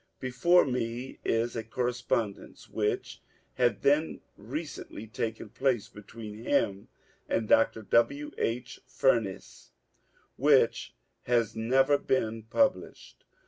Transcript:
Before me is a correspondence which had then recently taken place between him and Dr. W. H. Fumess, which has never been published.